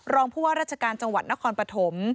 รองพัวรัชการจังหวัดนครปฐม